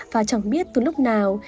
và chẳng biết từ lúc nào